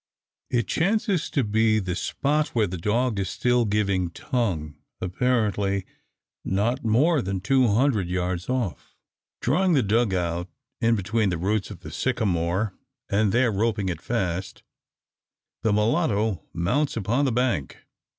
It chances to be near the spot where the dog is still giving tongue apparently not more than two hundred yards off. Drawing the dug out in between the roots of the sycamore, and there roping it fast, the mulatto mounts upon the bank.